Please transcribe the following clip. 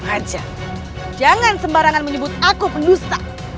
aja jangan sembarangan menyebut aku pendusta